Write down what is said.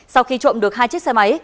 sau khi trộm được hai chiếc xe máy